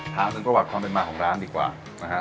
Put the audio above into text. ถามถึงประวัติความเป็นมาของร้านดีกว่านะฮะ